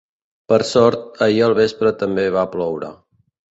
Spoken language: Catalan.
Per sort, ahir al vespre també va ploure.